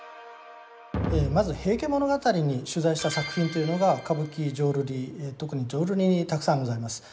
まず「平家物語」に取材した作品というのが歌舞伎浄瑠璃特に浄瑠璃にたくさんございます。